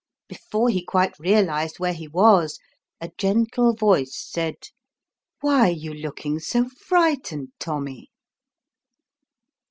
Before he quite realised where he was, a gentle voice said, " Why are you looking so frightened, Tommy?"